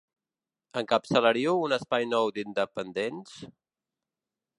Encapçalaríeu un espai nou d’independents?